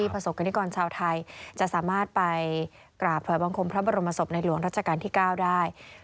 พระบรมศพในหลวงราชการที่เก้าได้